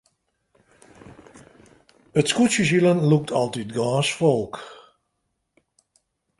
It skûtsjesilen lûkt altyd gâns folk.